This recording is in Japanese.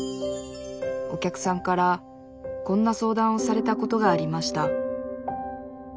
お客さんからこんな相談をされたことがありました